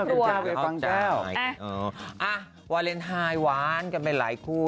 ต้องบอกทั้งครอบครัวเฟย์ฟังแก้วอ่ะวาเลนไทยหวานกันไปหลายคู่